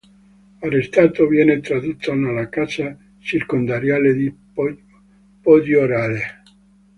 Arrestato, viene tradotto nella Casa Circondariale di Poggioreale.